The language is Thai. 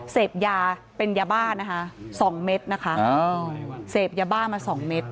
เสพยาเป็นยาบ้านะคะสองเม็ดนะคะเสพยาบ้ามาสองเม็ด